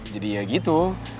jadi ya gitu